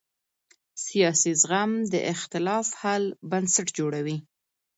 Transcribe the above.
سیاسي زغم د اختلاف حل بنسټ جوړوي